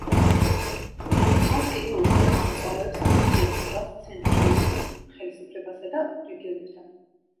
რაც კიდევ უფრო ამწვავებს ურთიერთობას ცენტრალურ ხელისუფლებასა და რეგიონებთან.